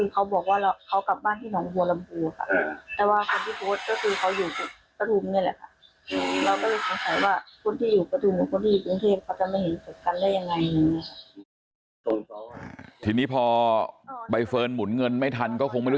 การเล่ยังไงอ่าทีนี้พอใบเฟิร์นหมุนเงินไม่ทันก็คงไม่รู้